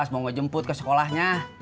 mau ngejemput ke sekolahnya